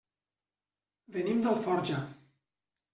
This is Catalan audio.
Venim d'Alforja.